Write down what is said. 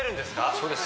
そうです